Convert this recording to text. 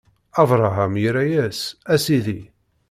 Abṛaham irra-yas: A Sidi!